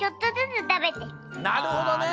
なるほどね！